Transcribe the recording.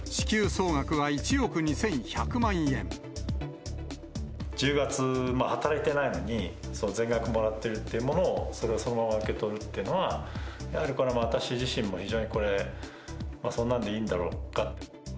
１０月、働いてないのに、全額もらっているっていうものを、それをそのまま受け取るっていうのは、やはりこれは私自身もこれ、そんなんでいいんだろうかと。